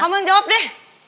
kamu jawab deh